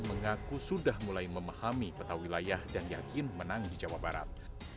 mengaku sudah mulai memahami peta wilayah dan yakin menang di jawa barat